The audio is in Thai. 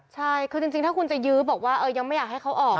ใช่คือจริงถ้าคุณจะยื้อบอกว่ายังไม่อยากให้เขาออก